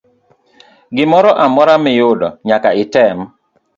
Gimoro amora miyudo nyaka item.